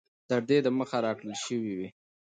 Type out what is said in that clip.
تر دې د مخه را كړل شوي وې